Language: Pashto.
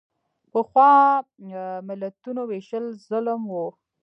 پخوا ملتونو وېشل ظلم و.